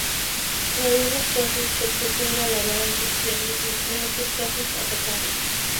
En algunos casos, su objetivo era alabar el cristianismo, en otros casos, atacarlo.